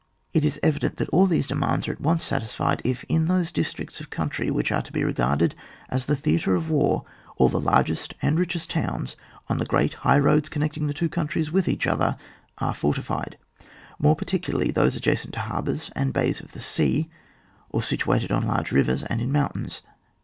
It is evident that all these demands are at once satisfied, if, in those districts of country which are to be regarded as the theatre of war, all the largest and richest towns on the great high roads connecting the two countries with each other are fortified, more particularly those adjacent to harbours and bays of the sea, or situated on large rivers and in mountains.